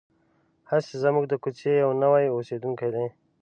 هسې زموږ د کوڅې یو نوی اوسېدونکی دی.